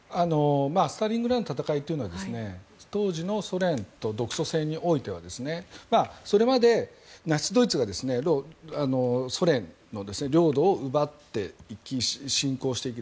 スターリングラードの戦いというのは当時のソ連独ソ戦においてはそれまでナチス・ドイツがソ連の領土を奪っていき侵攻していき